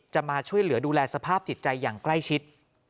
มาช่วยเหลือดูแลสภาพจิตใจอย่างใกล้ชิด